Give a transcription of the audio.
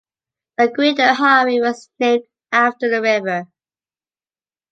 The Gwydir Highway was named after the river.